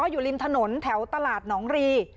อยู่ริมถนนแถวตลาดหนองรี